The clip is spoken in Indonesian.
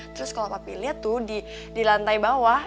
terus kalo papi liat tuh di lantai bawah